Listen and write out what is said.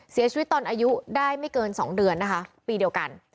เสียชีวิตตอนอายุได้ไม่เกิน๒เดือนนะคะปีเดียวกัน